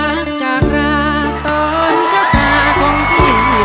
รักจากราตอนเช้ากาคงที่ตกคำ